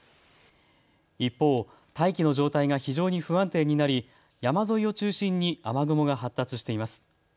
一方、大気の状態が非常に不安定になり山沿いを中心に雨雲が発達しています。